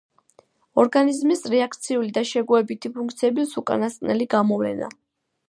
ორგანიზმის რეაქციული და შეგუებითი ფუნქციების უკანასკნელი გამოვლენა.